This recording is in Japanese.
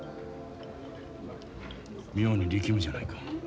妙に力むじゃないか。